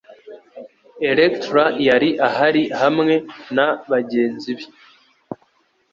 Electra yari ahari hamwe na bagenzi be